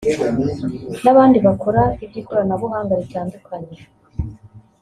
n’abandi bakora iby’ikoranabuhanga ritandukanye